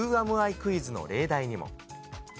クイズの例題にも。